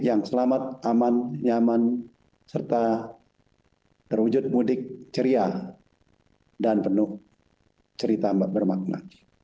yang selamat aman nyaman serta terwujud mudik ceria dan penuh cerita bermakna